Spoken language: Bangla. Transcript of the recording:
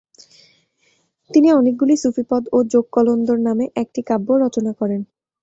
তিনি অনেকগুলি সুফিপদ ও যোগকলন্দর নামে একটি কাব্য রচনা করেন।